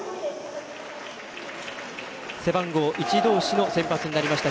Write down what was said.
背番号１同士の先発になりました